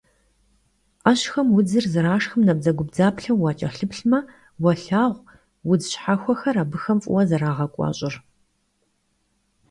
Ӏэщхэм удзыр, зэрашхым набдзэгубдзаплъэу укӀэлъыплъмэ, уолъагъу удз щхьэхуэхэр абыхэм фӀыуэ зэрагъэкӀуэщӀыр.